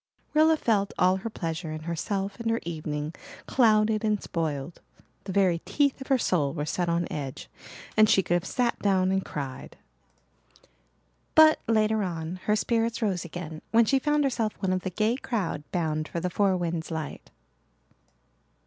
Rilla felt all her pleasure in herself and her evening clouded and spoiled. The very teeth of her soul were set on edge and she could have sat down and cried. But later on her spirits rose again when she found herself one of the gay crowd bound for the Four Winds light.